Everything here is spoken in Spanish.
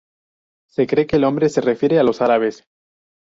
Se cree que el nombre se refiere a los árabes.